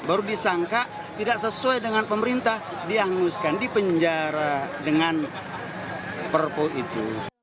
baru disangka tidak sesuai dengan pemerintah dihanguskan dipenjara dengan perpu itu